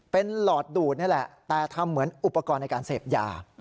เป็นหลอดดูดนี่แหละแต่ทำเหมือนอุปกรณ์ในการเสพยา